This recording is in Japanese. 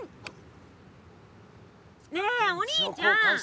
ねえお兄ちゃん！